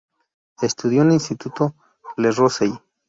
Estudió en Instituto Le Rosey.